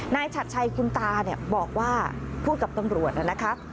ฉัดชัยคุณตาบอกว่าพูดกับตำรวจนะครับ